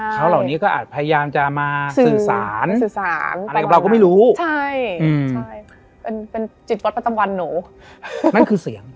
ปล่อยกลางออกมาอาไว้อย่างนี้